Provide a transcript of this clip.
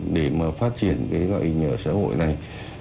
để mà phát triển cái loại hình nhà ở xã hội này